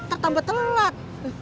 tak tambah telat